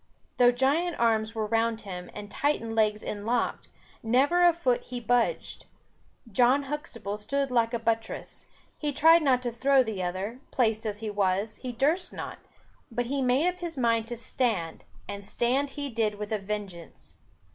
Though giant arms were round him and Titan legs inlocked, never a foot he budged. John Huxtable stood like a buttress. He tried not to throw the other; placed as he was, he durst not; but he made up his mind to stand, and stand he did with a vengeance.